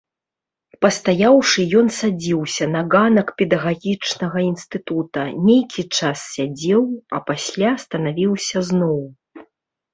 Пастаяўшы, ён садзіўся на ганак педагагічнага інстытута, нейкі час сядзеў, а пасля станавіўся зноў.